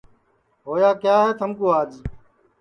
ہویا کیا ہے تھمکُو آج